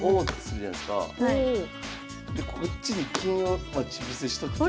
でこっちに金を待ち伏せしとくってどうですか？